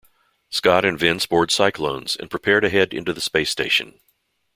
Scott and Vince board Cyclones, and prepare to head into the space station.